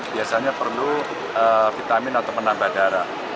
biasanya perlu vitamin atau menambah darah